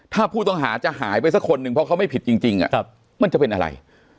ถ้าผู้ต้องหาจะหายไปสักคนหนึ่งเพราะเขาไม่ผิดจริงมันจะเป็นอะไร